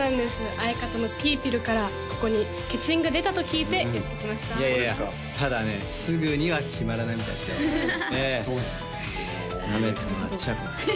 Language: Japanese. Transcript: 相方のぴーぴるからここに欠員が出たと聞いてやって来ましたいやいやただねすぐには決まらないみたいですよそうなんですよ